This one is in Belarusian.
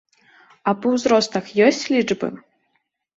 А па ўзростах ёсць лічбы?